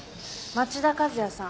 町田和也さん